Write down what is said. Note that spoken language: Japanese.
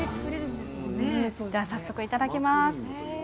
じゃあ早速いただきます。